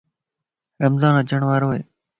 رمضان اچڻ وارائي